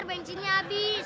ntar bensinnya habis